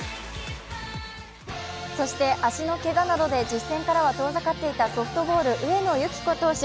そして足のけがなどで実戦からは遠ざかっていたソフトボール、上野由岐子投手。